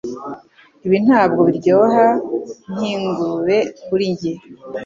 Ibi ntabwo biryoha nkingurube kuri njye